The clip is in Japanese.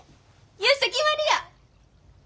よっしゃ決まりや！